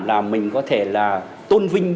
là mình có thể là tôn vinh